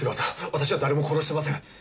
私は誰も殺してません！